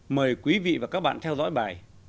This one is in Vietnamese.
mời quý vị và các bạn theo dõi bài